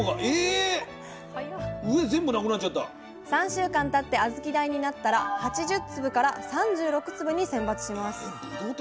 ３週間たって小豆大になったら８０粒から３６粒に選抜しますえ